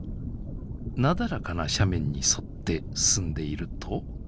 なだらかな斜面に沿って進んでいると。